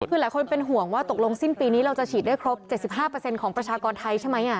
คือหลายคนเป็นห่วงว่าตกลงสิ้นปีนี้เราจะฉีดได้ครบ๗๕ของประชากรไทยใช่ไหม